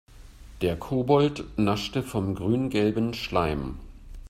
Der Kobold naschte vom grüngelben Schleim.